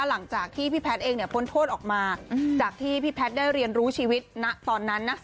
หลังจากที่พี่แพทย์เองเนี่ยพ้นโทษออกมาจากที่พี่แพทย์ได้เรียนรู้ชีวิตณตอนนั้นนะ